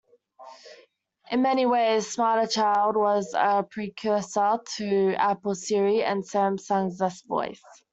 In many ways, SmarterChild was a precursor to Apple's Siri and Samsung's S Voice.